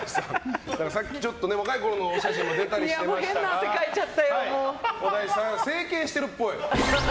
さっき若いころのお写真出たりしてましたが小田井さん、整形してるっぽい。